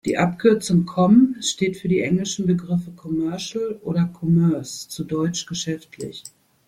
Die Abkürzung "com" steht für die englischen Begriffe "commercial" oder "commerce", zu Deutsch "geschäftlich".